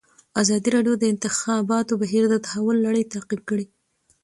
ازادي راډیو د د انتخاباتو بهیر د تحول لړۍ تعقیب کړې.